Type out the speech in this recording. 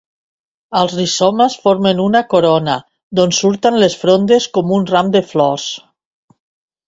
Els rizomes formen una corona d'on surten les frondes com un ram de flors.